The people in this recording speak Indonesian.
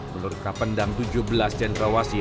menurut kapendam tujuh belas cendrawasi